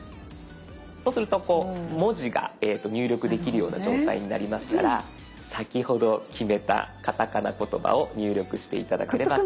そうすると文字が入力できるような状態になりますから先ほど決めたカタカナ言葉を入力して頂ければと。